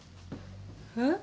えっ？